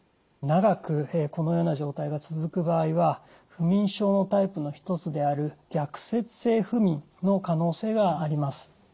長くこのような状態が続く場合は不眠症のタイプの一つである逆説性不眠の可能性があります。